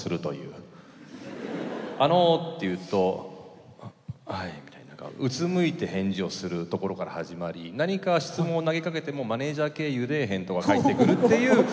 「あの」って言うと「あはい」みたいな何かうつむいて返事をするところから始まり何か質問を投げかけてもマネージャー経由で返答が返ってくるっていう。